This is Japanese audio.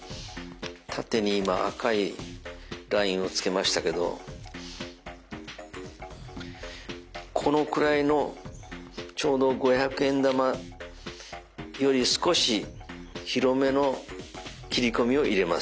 縦に今赤いラインを付けましたけどこのくらいのちょうど五百円玉より少し広めの切込みを入れます。